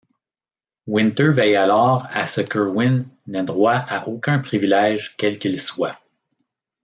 Winter veille alors à ce qu'Irwin n'ait droit à aucun privilège quel qu'il soit.